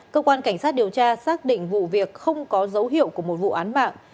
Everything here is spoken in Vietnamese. cơ quan cảnh sát điều tra xác định vụ việc không có dấu hiệu của một vụ án mạng